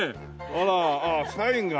あらああサインが。